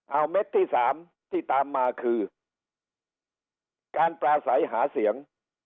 เอาเม็ดที่สามที่ตามมาคือการปลาใสหาเสียง